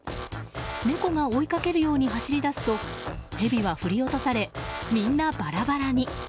猫が追いかけるように走り出すとヘビは振り落とされみんなバラバラに。